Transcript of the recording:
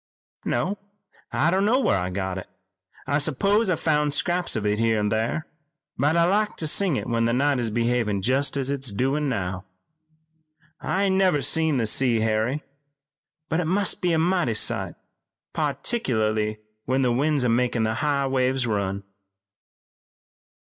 "No, I don't know where I got it. I s'pose I found scraps here an' thar, but I like to sing it when the night is behavin' jest as it's doin' now. I ain't ever seen the sea, Harry, but it must be a mighty sight, particklarly when the wind's makin' the high waves run."